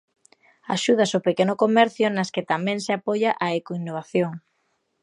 Axudas ao pequeno comercio nas que tamén se apoia a ecoinnovación.